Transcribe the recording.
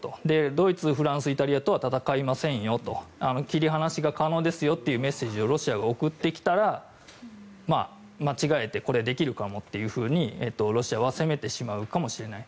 ドイツ、フランス、イタリアとは戦いませんよと切り離しが可能ですよというメッセージをロシアが送ってきたら間違えてできるかもというふうにロシアは攻めてしまうかもしれない。